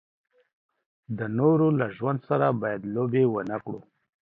د نورو له ژوند سره باید لوبې و نه کړو.